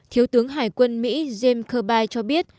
thiếu tướng hải quân mỹ james kirby cho biết